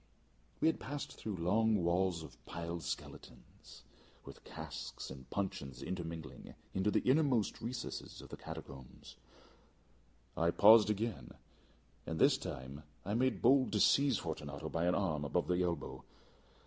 We had passed through walls of piled bones, with casks and puncheons intermingling, into the inmost recesses of catacombs. I paused again, and this time I made bold to seize Fortunato by an arm above the elbow.